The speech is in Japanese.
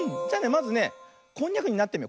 まずねこんにゃくになってみよう。